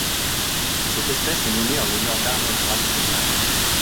Cette espèce est nommée en l'honneur d'Arnold Brams Grobman.